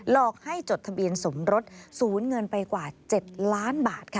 อกให้จดทะเบียนสมรสสูญเงินไปกว่า๗ล้านบาทค่ะ